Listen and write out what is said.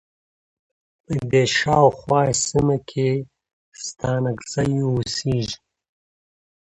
په دې شا او خواه سیمه کې ستانکزی اوسیږی.